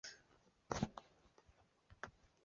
锈荚藤是豆科羊蹄甲属的植物。